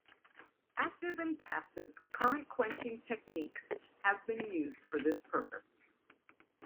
Active and passive current-quenching techniques have been used for this purpose.